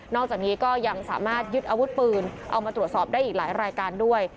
อกจากนี้ก็ยังสามารถยึดอาวุธปืนเอามาตรวจสอบได้อีกหลายรายการด้วย